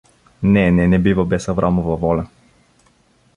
— Не, не, не бива без Аврамова воля.